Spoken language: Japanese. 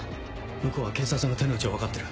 向こうは警察の手の内を分かってる。